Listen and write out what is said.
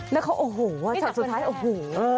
แล้วเขาโอ้โหช็อตสุดท้ายโอ้โห